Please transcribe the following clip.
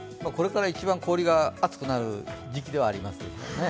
これから一番氷が厚くなる時期ではあります。